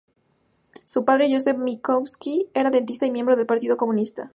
Su padre, Joseph Minkowski, era dentista y miembro del partido comunista.